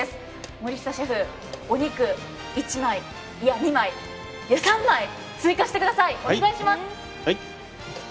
森下シェフ、お肉、１枚、いや２枚、３枚追加してください、お願いします。